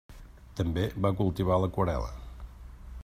També va cultivar l'aquarel·la.